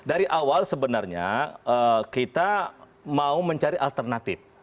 dari awal sebenarnya kita mau mencari alternatif